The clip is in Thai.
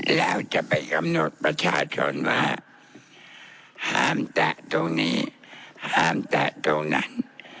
แล้วจะไปกำหนดประชาชนว่าห้ามแตะตรงนี้ห้ามแตะตรงนั้น